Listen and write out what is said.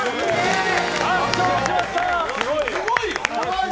圧勝しました！